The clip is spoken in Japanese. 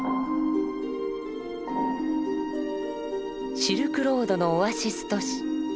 シルクロードのオアシス都市敦煌。